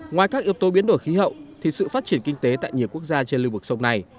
ngoài các yếu tố biến đổi khí hậu thì sự phát triển kinh tế tại nhiều quốc gia trên lưu vực sông này